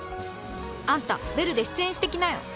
あんたベルで出演して来なよ。